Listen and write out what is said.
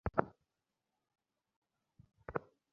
JC স্যারকে দেখুন।